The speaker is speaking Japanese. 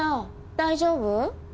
大丈夫？